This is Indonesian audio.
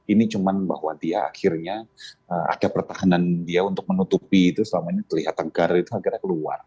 ini cuma bahwa dia akhirnya ada pertahanan dia untuk menutupi itu selama ini terlihat tegar itu akhirnya keluar